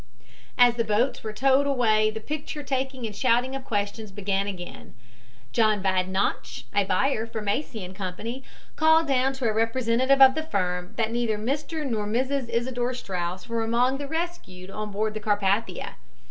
As the boats were towed away the picture taking and shouting of questions began again. John Badenoch, a buyer for Macy & Co., called down to a representative of the firm that neither Mr. nor Mrs. Isidor Straus were among the rescued on board the Carpathia.